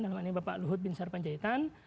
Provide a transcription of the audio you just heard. namanya bapak luhut bin sar panjaitan